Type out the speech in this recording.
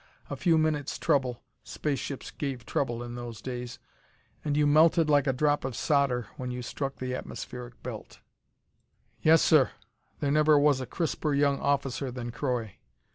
A few minute's trouble space ships gave trouble, in those days and you melted like a drop of solder when you struck the atmospheric belt. "Yes, sir!" There never was a crisper young officer than Croy.